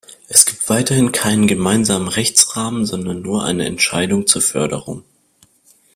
Es gibt weiterhin keinen gemeinsamen Rechtsrahmen, sondern nur eine Entscheidung zur Förderung.